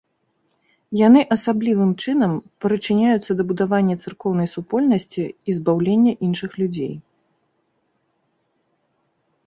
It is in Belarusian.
Яны асаблівым чынам прычыняюцца да будавання царкоўнай супольнасці і збаўлення іншых людзей.